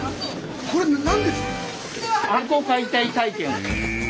これ何です？